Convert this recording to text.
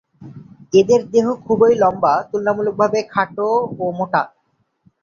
এদের দেহ খুবই লম্বা, তুলনামূলক ভাবে খাটো ও মোটা।